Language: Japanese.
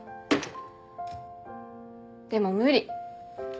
でも無理。